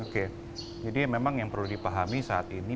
oke jadi memang yang perlu dipahami saat ini